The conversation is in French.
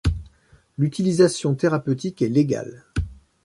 L'utilisation thérapeutique est légale.